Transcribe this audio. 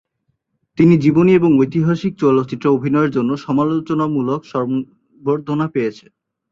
তিনি জীবনী এবং ঐতিহাসিক চলচ্চিত্রে অভিনয়ের জন্যে সমালোচনামূলক সংবর্ধনা পেয়েছে।